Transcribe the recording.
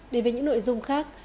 đến với những nội dung khác